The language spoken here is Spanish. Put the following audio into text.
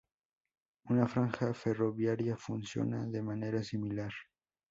Una franja ferroviaria funciona de manera similar.